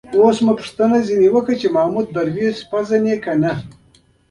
اوس مې ترې پوښتنه وکړه چې محمود درویش پېژني.